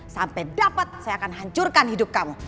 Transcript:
sampe dapet saya akan hancurkan hidup kamu